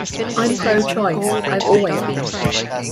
I'm pro-choice; I've always been.